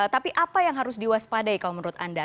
tapi apa yang harus diwaspadai kalau menurut anda